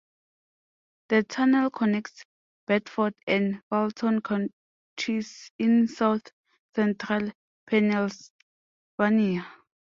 The tunnel connects Bedford and Fulton Counties in South Central Pennsylvania.